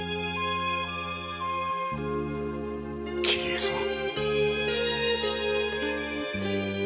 桐江さん。